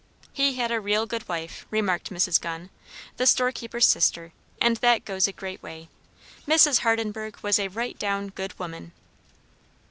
"He had a real good wife," remarked Miss Gunn, the storekeeper's sister, "and that goes a great way. Mrs. Hardenburgh was a right down good woman."